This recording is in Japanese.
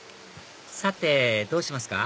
さてどうしますか？